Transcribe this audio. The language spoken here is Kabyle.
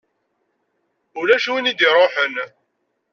Ulac win i d-iṛuḥen.